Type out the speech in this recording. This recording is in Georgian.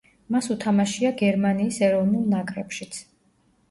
მას უთამაშია გერმანიის ეროვნულ ნაკრებშიც.